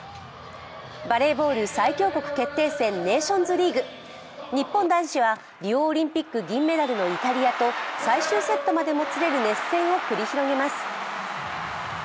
バレーボール最強国決定戦、ネーションズリーグ、日本男子はリオオリンピック銀メダルのイタリアと最終セットまでもつれる熱戦を繰り広げます。